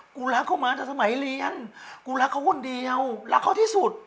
กูรักเขามาตั้งแต่สมัยเรียนกูรักเขาคนเดียวรักเขาที่สุด